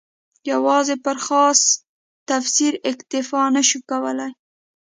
یوازې پر خاص تفسیر اکتفا نه شو کولای.